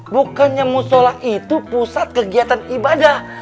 bukannya musola itu pusat kegiatan ibadah